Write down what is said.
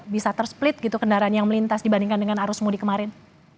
bisa ter split gitu kendaraan yang melintas dibandingkan dengan arus mudik kemarin